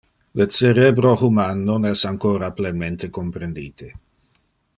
Le cerebro human non es ancora plenmente comprendite.